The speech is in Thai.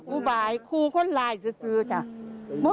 อุบายคู่คนรายซื้อจ้ะ